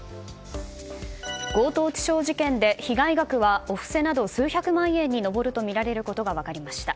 強盗致傷事件で、被害額はお布施など数百万円に上るとみられることが分かりました。